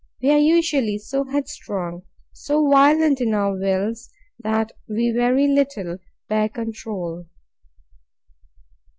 We are usually so headstrong, so violent in our wills, that we very little bear control.